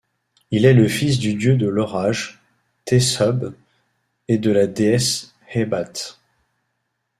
Il est le fils du dieu de l'Orage, Teshub, et de la déesse Hebat.